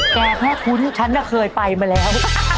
แกเพราะคุ้นฉันก็เคยไปมาแล้ว